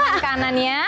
tangan kanan ya